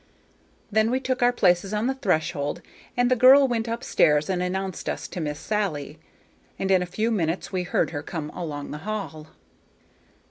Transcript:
Then we took our places on the threshold, and the girl went up stairs and announced us to Miss Sally, and in a few minutes we heard her come along the hall.